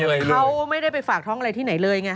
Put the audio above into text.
เขาไม่ได้ไปฝากท้องอะไรที่ไหนเลยไง